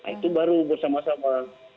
itu baru bersama sama